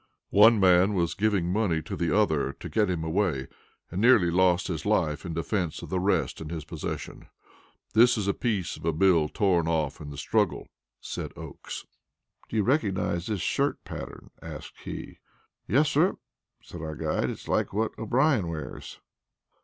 "One man was giving money to the other to get him away, and nearly lost his life in defense of the rest in his possession. This is a piece of a bill torn off in the struggle," said Oakes. "Do you recognize this shirt pattern?" asked he. "Yes, sir," said our guide; "it is like what O'Brien wears."